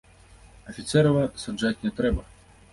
Афіцэрава саджаць не трэба!